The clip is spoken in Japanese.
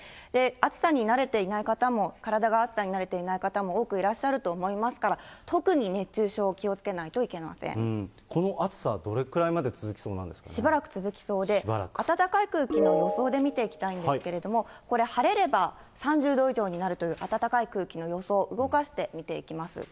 暑さに慣れていない方も、体が暑さに慣れていない方も多くいらっしゃると思いますから、特に熱中症、この暑さ、どれくらいまで続しばらく続きそうで、暖かい空気の予想で見ていきたいんですけど、これ、晴れれば３０度以上になるという暖かい空気の予想、動かしてみていきます。